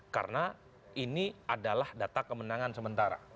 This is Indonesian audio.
karena ini adalah data kemenangan sementara